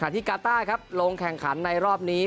ที่กาต้าครับลงแข่งขันในรอบนี้